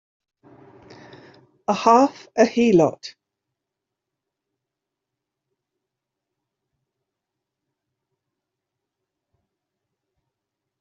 A half a heelot!